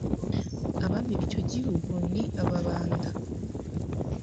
Abami b'icyo gihugu ni Ababanda.